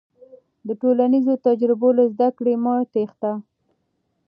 د ټولنیزو تجربو له زده کړې مه تېښته.